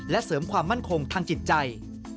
และเสริมความมั่นคงทางจิตใจ